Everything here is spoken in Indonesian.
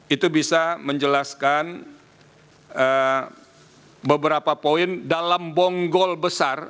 itu bisa menjelaskan beberapa poin dalam bonggol besar